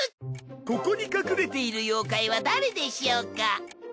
ここに隠れている妖怪は誰でしょうか？